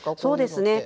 そうですね。